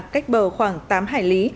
cách bờ khoảng tám hải lý